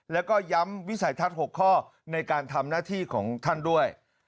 แล้วก็ย้ำวิสัยทัศน์๖ข้อในการทำหน้าที่ของท่านด้วย